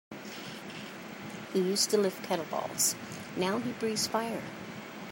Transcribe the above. He used to lift kettlebells now he breathes fire.